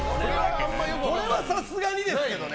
これはさすがにですけどね。